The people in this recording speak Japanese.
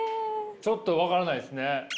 ちょっと分からないですね。